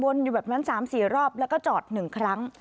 อยู่แบบนั้น๓๔รอบแล้วก็จอด๑ครั้ง